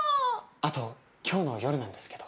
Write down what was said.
あと今日の夜なんですけど。